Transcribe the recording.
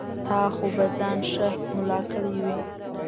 تا خو به ځان ښه ملا کړی وي.